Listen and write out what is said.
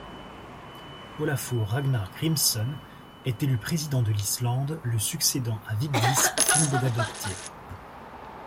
Ólafur Ragnar Grímsson est élu président de l'Islande le succédant à Vigdís Finnbogadóttir.